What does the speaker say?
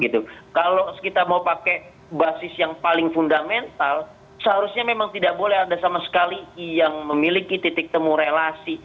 tapi dari segi basis yang paling fundamental seharusnya memang tidak boleh ada sama sekali yang memiliki titik temu relasi